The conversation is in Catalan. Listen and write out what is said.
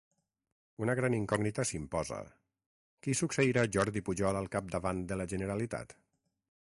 Una gran incògnita s'imposa: Qui succeirà Jordi Pujol al capdavant de la Generalitat?